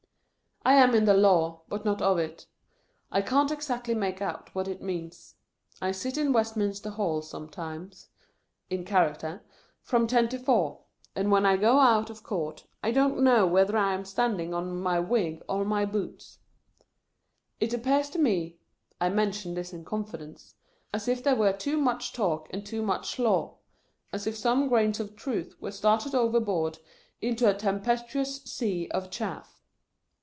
I am in the Law, but not of it. I can't exactly make out what it means. I sit in Westminster Hall sometimes (in character) from ten to four ; and when I go out of Court, I don't know whether I am standing on my wig or my boots. It appears to me (1 mention this in con fidence) as if there were too much talk and too much law — as if some grains of truth were started overboard into a tempestuous sea of chaff.